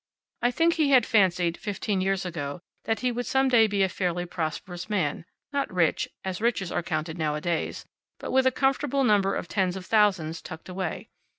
I think he had fancied, fifteen years ago, that he would some day be a fairly prosperous man; not rich, as riches are counted nowadays, but with a comfortable number of tens of thousands tucked away.